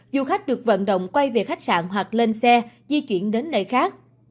du khách được vận động quay về khách sạn hoặc lên xe di chuyển đến nơi khác